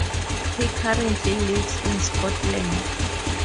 He currently lives in Scotland.